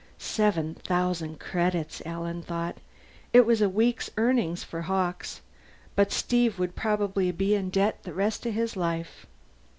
Seven thousand credits, Alan thought. It was a week's earnings for Hawkes but Steve would probably be in debt the rest of his life.